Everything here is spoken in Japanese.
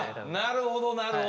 なるほどなるほどね。